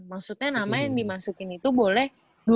maksudnya nama yang dimasukin itu boleh